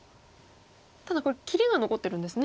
ただこれ切りが残ってるんですね。